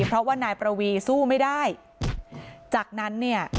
เพราะว่านายประวีสู้ไม่ได้จากนั้นเนี่ย